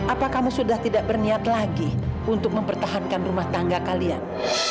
apa kamu sudah tidak berniat lagi untuk mempertahankan rumah tangga kalian